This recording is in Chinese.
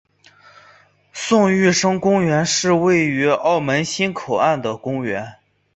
宋玉生公园是位于澳门新口岸的公园。